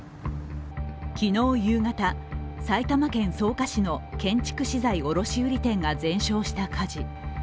昨日夕方、埼玉県草加市の建築資材卸売店が全焼した火事。